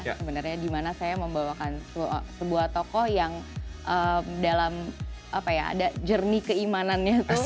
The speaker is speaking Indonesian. sebenarnya dimana saya membawakan sebuah tokoh yang dalam apa ya ada jernih keimanannya tuh